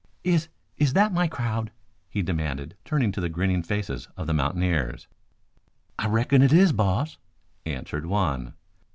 "Is is that my crowd?" he demanded, turning to the grinning faces of the mountaineers. "I reckon it is, boss," answered one.